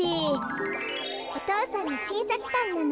お父さんのしんさくパンなの。